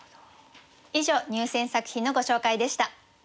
以上入選作品のご紹介でした。